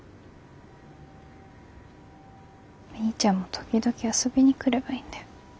みーちゃんも時々遊びに来ればいいんだよ。